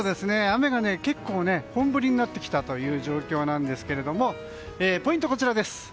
雨が結構本降りになってきた状況ですがポイント、こちらです。